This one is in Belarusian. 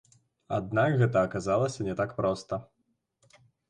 Аднак гэта аказалася не так проста.